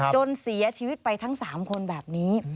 จนเสียชีวิตไปทั้ง๓คนแบบนี้